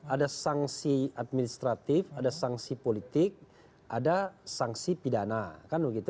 ada sanksi administratif ada sanksi politik ada sanksi pidana